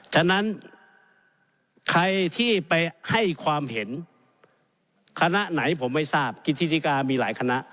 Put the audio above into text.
ฉะนั้นใครที่ไปให้ความเห็นคณะไหนผมไม่ทราบกิจิกามีหลายคณะ